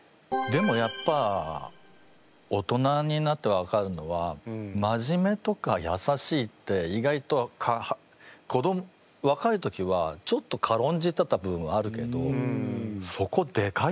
でもやっぱ大人になって分かるのは真面目とかやさしいって意外と子どもわかい時はちょっとかろんじてた部分あるけどそこでかいなって。